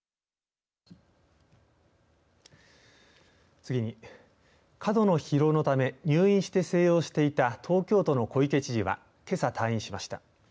次に過度の疲労のため入院して静養していた東京都の小池知事はけさ、退院しました。